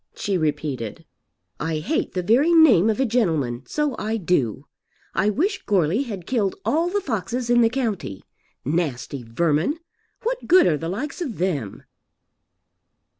she repeated. "I hate the very name of a gentleman; so I do. I wish Goarly had killed all the foxes in the county. Nasty vermin! What good are the likes of them?"